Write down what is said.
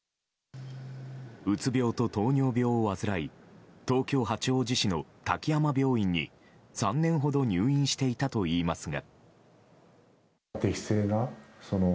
うつ病と糖尿病を患い東京・八王子市の滝山病院に３年ほど入院していたといいますが。